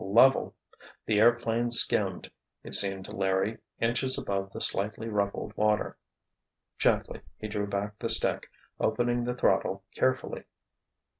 Level! The airplane skimmed, it seemed to Larry, inches above the slightly ruffled water. Gently he drew back the stick, opening the throttle carefully.